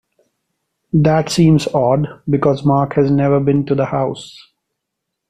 That seems odd because Mark has never been to the house.